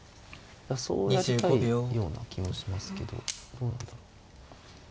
そうやりたいような気もしますけどどうなんだろう。